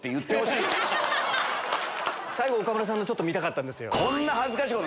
最後岡村さんのちょっと見たかったんですよ。